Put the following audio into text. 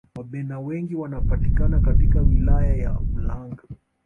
wabena wengi wanapatikana katika wilaya ya ulanga